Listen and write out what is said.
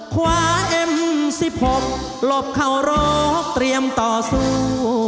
คว้าเอ็มสิบหกหลบเข้ารอบเตรียมต่อสู้